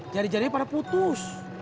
jari jarinya pada putus